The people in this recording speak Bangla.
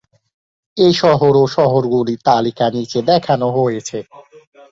এই শহর ও শহরগুলির তালিকা নিচে দেখানো হয়েছে।